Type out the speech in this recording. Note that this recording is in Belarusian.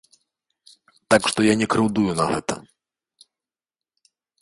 Так што я не крыўдую на гэта.